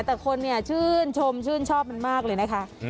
แต่คนเนี่ยชื่นชมชื่นชอบมันมากเลยนะคะ